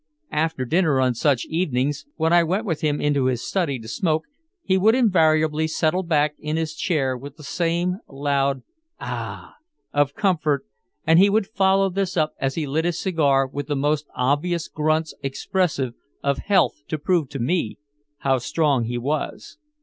After dinner on such evenings, when I went with him into his study to smoke, he would invariably settle back in his chair with the same loud "Ah!" of comfort, and he would follow this up as he lit his cigar with the most obvious grunts expressive of health to prove to me how strong he was.